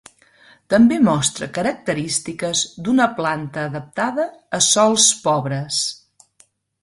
També mostra característiques d'una planta adaptada a sòls pobres.